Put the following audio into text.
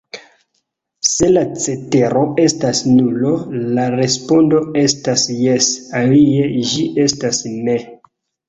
Se la cetero estas nulo, la respondo estas 'jes'; alie, ĝi estas 'ne'.